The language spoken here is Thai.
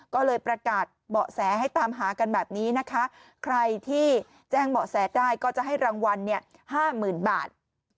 ก็เลยประกาศเบาะแสให้ตามหากันแบบนี้นะคะใครที่แจ้งเบาะแสได้ก็จะให้รางวัลเนี่ยห้าหมื่นบาท